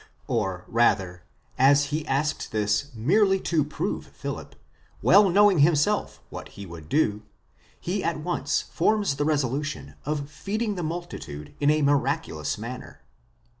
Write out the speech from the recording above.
or rather, as he asked this 'merely to Zrove Philip, well knowing himself what he would do, he at once forms the resolution of feeding the multitude in a miraculous manner.